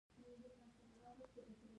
افغانستان بايد نور د مينو څخه خوندي سي